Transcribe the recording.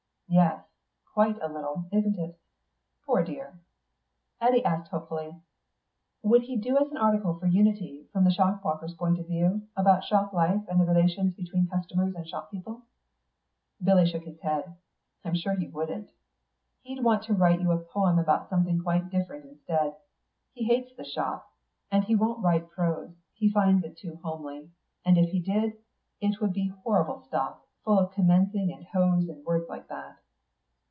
"Yes; quite a little, isn't it. Poor dear." Eddy asked hopefully, "Would he do us an article for Unity from the shop walker's point of view, about shop life, and the relations between customers and shop people?" Billy shook his head. "I'm sure he wouldn't. He'd want to write you a poem about something quite different instead. He hates the shop, and he won't write prose; he finds it too homely. And if he did, it would be horrible stuff, full of commencing, and hose, and words like that."